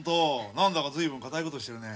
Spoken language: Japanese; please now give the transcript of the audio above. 何だか随分堅いことしてるね。